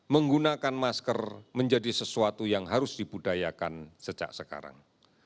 menggunakan masker menjadi sesuatu yang harus dibudayakan sejak sekarang